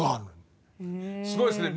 すごいですね。